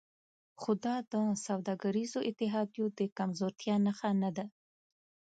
خو دا د سوداګریزو اتحادیو د کمزورتیا نښه نه ده